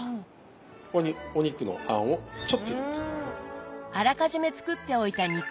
ここにお肉の餡をちょっと入れます。